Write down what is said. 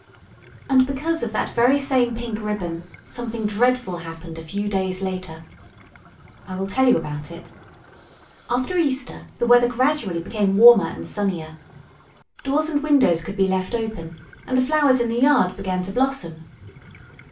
And because of that very same pink ribbon something dreadful happened a few days later. I will tell you about it. After Easter the weather gradually became warmer and sunnier. Doors and windows could be left open, and the flowers in the yard began to blossom.